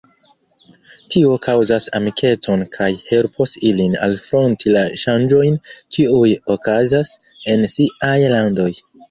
Tio kaŭzas amikecon kaj helpos ilin alfronti la ŝanĝojn, kiuj okazas en siaj landoj.